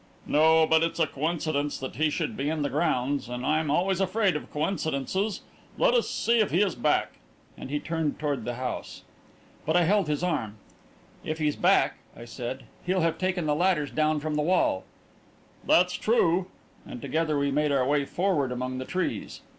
"No; but it's a coincidence that he should be in the grounds and I'm always afraid of coincidences. Let us see if he is back," and he turned toward the house. But I held his arm. "If he's back," I said, "he'll have taken the ladders down from the wall." "That's true," and together we made our way forward among the trees.